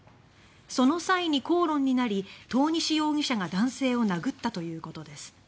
その際に口論になり遠西容疑者が男性を殴ったということです。